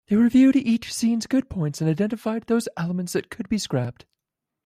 They reviewed each scene's good points and identified those elements that could be scrapped.